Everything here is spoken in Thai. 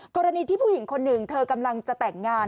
กรณีที่ผู้หญิงคนหนึ่งเธอกำลังจะแต่งงาน